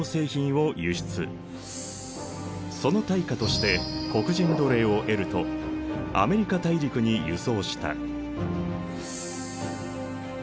その対価として黒人奴隷を得るとアメリカ大陸に輸送した。